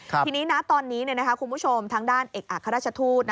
ทีนี้ตอนนี้คุณผู้ชมทางด้านเอกอัครราชทูต